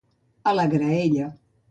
A la graella.